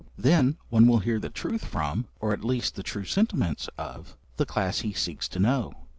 Then one will hear the truth from, or at least the true sentiments of, the class he seeks to know.